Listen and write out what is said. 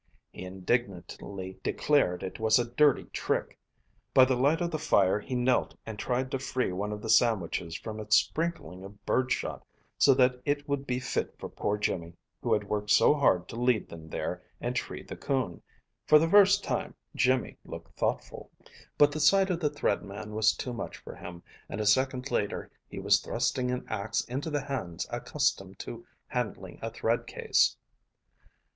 He indignantly declared it was a dirty trick. By the light of the fire he knelt and tried to free one of the sandwiches from its sprinkling of birdshot, so that it would be fit for poor Jimmy, who had worked so hard to lead them there and tree the coon. For the first time Jimmy looked thoughtful. But the sight of the Thread Man was too much for him, and a second later he was thrusting an ax into the hands accustomed to handling a thread case.